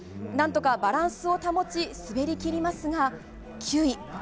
何とかバランスを保ち滑り切りますが、９位。